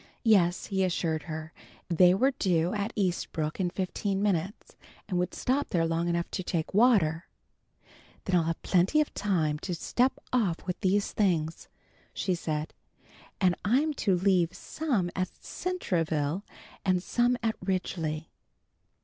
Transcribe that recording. Yes, he assured her, they were due at Eastbrook in fifteen minutes and would stop there long enough to take water. "Then I'll have plenty of time to step off with these things," she said. "And I'm to leave some at Centreville and some at Ridgely."